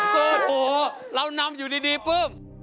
สุดโอ้โฮเรานำอยู่ดีปุ้ม